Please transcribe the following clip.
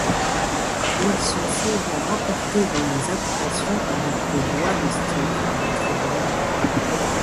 Ils sont souvent rapportés dans les habitations avec le bois destiné à être brûlé.